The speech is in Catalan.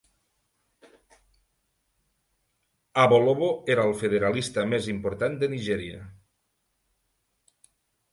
Awolowo era el federalista més important de Nigèria.